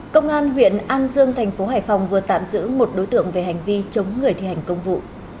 công an huyện an dương thành phố hải phòng vừa tạm giữ một đối tượng về hành vi chống người thi hành công vụ